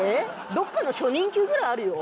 どっかの初任給ぐらいあるよ。